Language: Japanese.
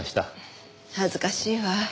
恥ずかしいわ。